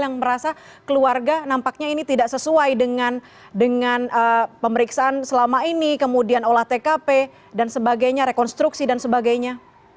yang merasa keluarga nampaknya ini tidak sesuai dengan pemeriksaan selama ini kemudian olah tkp dan sebagainya rekonstruksi dan sebagainya